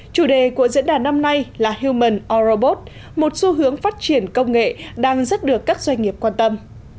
chủ đề của diễn đàn năm nay là human or robot một xu hướng phát triển công nghệ đang rất được các doanh nghiệp quan tâm